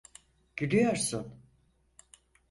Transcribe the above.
Gülüyorsun.